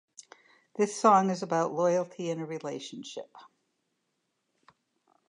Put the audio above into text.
The song is about loyalty in a relationship.